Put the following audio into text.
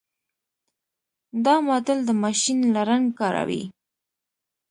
دا ماډل د ماشین لرنګ کاروي.